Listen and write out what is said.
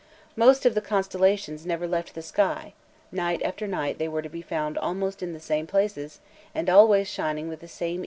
Most of the constellations never left the sky: night after night they were to be found almost in the same places, and always shining with the same even light.